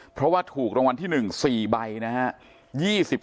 เพราะว่าถูกรางวัลที่๑๔ใบนะฮะ